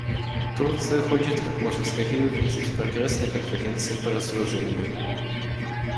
Турция хочет как можно скорее увидеть прогресс на Конференции по разоружению.